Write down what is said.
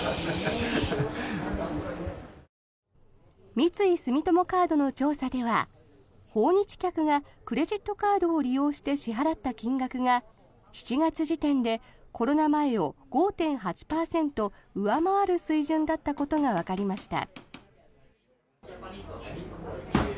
三井住友カードの調査では訪日客がクレジットカードを利用して支払った金額が７月時点でコロナ前を５．８％上回る水準だったことがわかりました。